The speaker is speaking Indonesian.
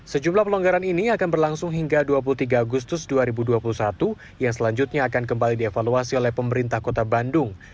sejumlah pelonggaran ini akan berlangsung hingga dua puluh tiga agustus dua ribu dua puluh satu yang selanjutnya akan kembali dievaluasi oleh pemerintah kota bandung